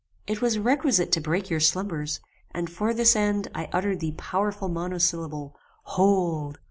It was requisite to break your slumbers, and for this end I uttered the powerful monosyllable, "hold!